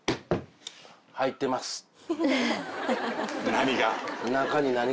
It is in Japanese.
何が？